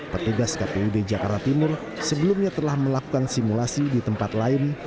petugas kpud jakarta timur sebelumnya telah melakukan simulasi di tempat lain